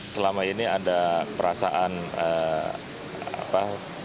selama ini ada perasaan apa